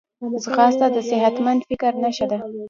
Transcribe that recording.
ځغاسته د صحتمند فکر نښه ده